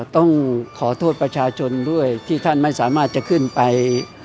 ต้องขอโทษประชาชนด้วยที่ท่านไม่สามารถจะขึ้นไป